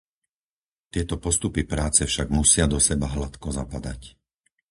Tieto postupy práce však musia do seba hladko zapadať.